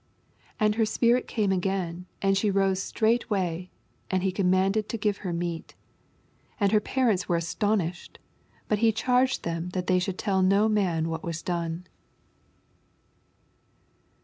55 And her spirit' came again, and she arose straigntwa/ : and he com manded to give her meat. 56 And her parents were astonish ed : bat he charged them that they should tell no man what was done.